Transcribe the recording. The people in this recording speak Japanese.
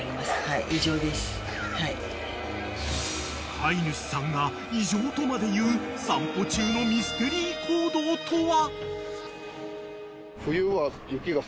［飼い主さんが異常とまで言う散歩中のミステリー行動とは？］